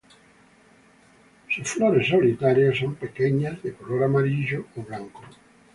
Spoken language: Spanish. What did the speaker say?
Sus flores solitarias, son pequeñas, de color amarillo o blanco.